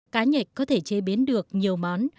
cá nhạch có thể chế biến được nhiều món